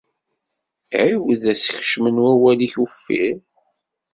Ԑiwed asekcem n wawal-ik uffir.